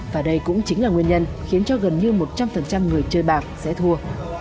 và đây cũng chính là nguyên nhân khiến cho gần như một trăm linh người chơi bạc sẽ thua